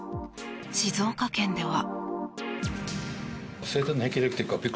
静岡県では。